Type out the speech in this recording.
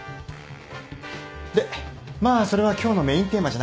でまあそれは今日のメインテーマじゃなくてさ。